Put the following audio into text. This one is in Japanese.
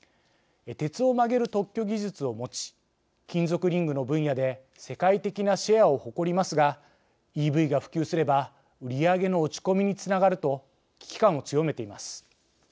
鉄を曲げる特許技術を持ち金属リングの分野で世界的なシェアを誇りますがＥＶが普及すれば売り上げの落ち込みにつながると危機感を強めています。